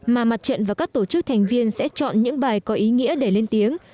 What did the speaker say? mà mặt trận và các tổ chức thành viên sẽ chọn những bài có ý nghĩa để lên tiếng